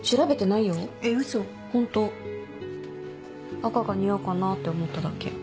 赤が似合うかなって思っただけ。